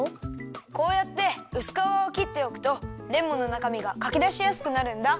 こうやってうすかわをきっておくとレモンのなかみがかきだしやすくなるんだ。